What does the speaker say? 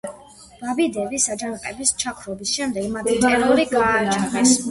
ბაბიდების აჯანყების ჩაქრობის შემდეგ მათ ტერორი გააჩაღეს.